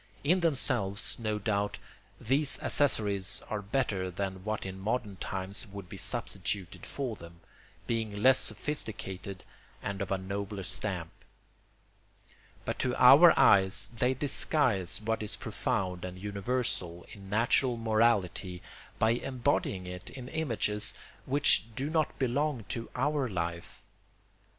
In themselves, no doubt, these accessories are better than what in modern times would be substituted for them, being less sophisticated and of a nobler stamp; but to our eyes they disguise what is profound and universal in natural morality by embodying it in images which do not belong to our life.